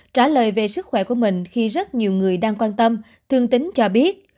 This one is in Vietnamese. trả lời về sức khỏe của mình khi rất nhiều người đang quan tâm thương tính cho biết